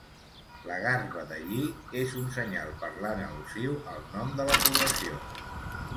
La garba de lli és un senyal parlant al·lusiu al nom de la població.